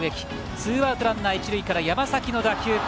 ツーアウト、ランナー、一塁から山崎の打球。